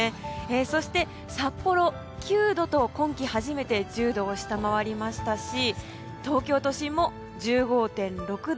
そして、札幌は９度と今季初めて１０度を下回りましたし東京都心も１５．６度。